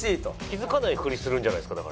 気づかないふりするんじゃないですか？